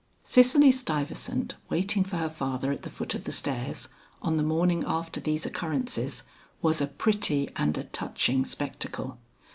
Cicely Stuyvesant waiting for her father at the foot of the stairs, on the morning after these occurrences, was a pretty and a touching spectacle.